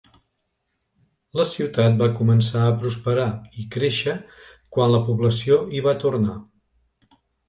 La ciutat va començar a prosperar i créixer quan la població hi va tornar.